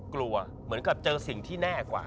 กลัวเหมือนกับเจอสิ่งที่แน่กว่า